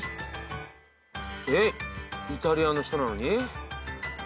えっイタリアの人なのにイギリスで？